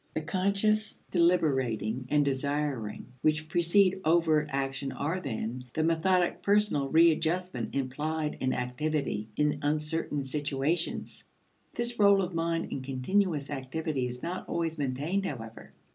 The conscious deliberating and desiring which precede overt action are, then, the methodic personal readjustment implied in activity in uncertain situations. This role of mind in continuous activity is not always maintained, however.